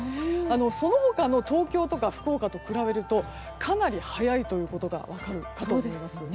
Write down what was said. その他の東京や福岡と比べるとかなり早いということが分かるかと思います。